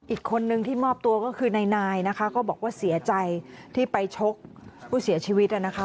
อีกคนนึงที่มอบตัวก็คือนายนะคะก็บอกว่าเสียใจที่ไปชกผู้เสียชีวิตนะคะ